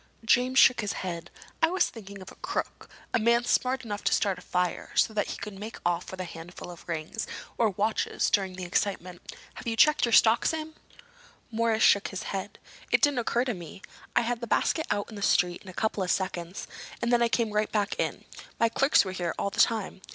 James shook his head. "I was thinking of a crook—a man smart enough to start a fire, so that he could make off with a handful of rings, or watches, during the excitement. Have you checked your stock, Sam?" Morris shook his head. "It didn't occur to me. I had the basket out in the street in a couple of seconds, and then I came right back in. My clerks were here all the time."